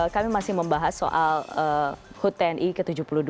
kami masih membahas soal hut tni ke tujuh puluh dua